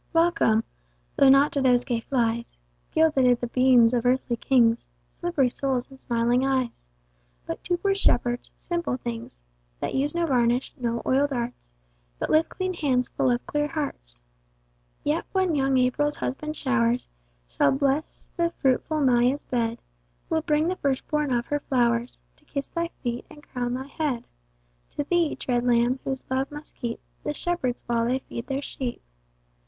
Welcome, (though not to those gay flies Guilded i'th' beams of earthly kings Slippery souls in smiling eyes) But to poor Shepherds, simple things, That use no varnish, no oil'd arts, But lift clean hands full of clear hearts. Yet when young April's husband showers Shall bless the fruitful Maia's bed, We'll bring the first born of her flowers, To kiss thy feet, and crown thy head. To thee (dread lamb) whose love must keep The shepherds, while they feed their sheep.